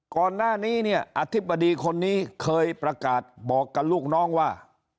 ก่อนหน้านี้เนี่ยอธิบดีคนนี้เคยประกาศบอกกับลูกน้องว่า